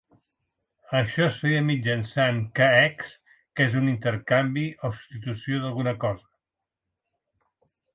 Això es feia mitjançant "k'ex", que és un intercanvi o substitució d'alguna cosa.